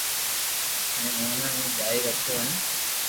ھين اوني ھو جاري رکو ھي